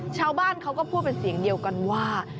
ชาวบ้านเขาก็พูดเป็นเสียงเดียวกันว่า